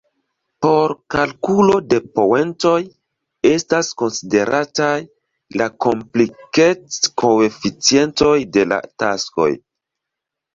Por kalkulo de poentoj estas konsiderataj la komplikec-koeficientoj de la taskoj.